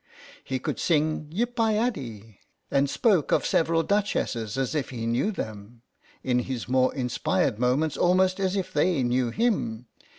He could sing "Yip I Addy" and spoke of several duchesses as if he knew them — in his more inspired moments almost as if they knew him.